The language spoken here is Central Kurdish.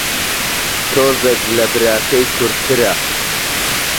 تۆزێک لە براکەی کورتترە